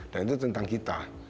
dan itu tentang kita